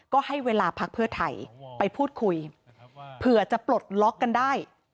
ก็ให้เวลาพักเพื่อไทยไปพูดคุยเผื่อจะปลดล็อกกันได้